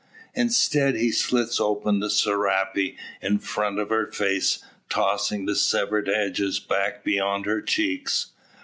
Instead, he slits open the serape in front of her face, tossing the severed edges back beyond her cheeks.